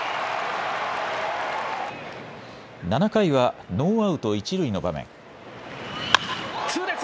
７回はノーアウト一塁の場面。